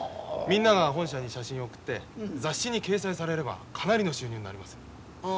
みんなが本社に写真を送って雑誌に掲載されればかなりの収入になります。